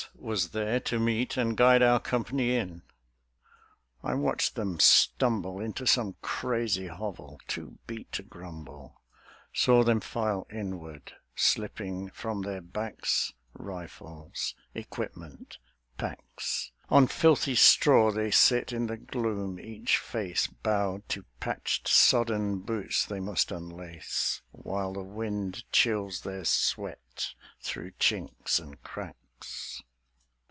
was there to meet And guide our Company in ... I watched them stumble Into some crazy hovel, too beat to grumble; Saw them file inward, slipping from their backs Rifles, equipment, packs. On filthy straw they sit in the gloom, each face Bowed to patched, sodden boots they must unlace, While the wind chills their sweat through chinks and cracks.